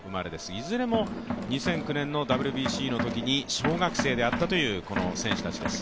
いずれも２００９年のＷＢＣのときに小学生であったというこの選手たちです。